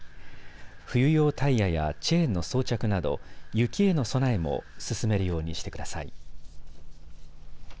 冬用タイヤやチェーンの装着など雪への備えも進めるようにしてください。